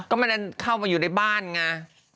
ก็ไม่ได้เข้ามาอยู่ในบ้านไง